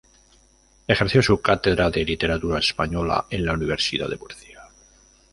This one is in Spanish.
Ejerció su cátedra de Literatura Española en la Universidad de Murcia.